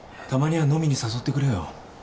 たまには飲みに誘ってくれよ